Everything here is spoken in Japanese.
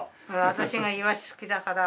私がイワシ好きだから。